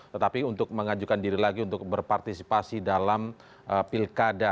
tetapi untuk mengajukan diri lagi untuk berpartisipasi dalam pilkada